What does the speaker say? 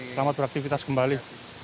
selamat beraktivitas kembali